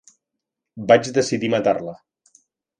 Vaig decidir matar-la.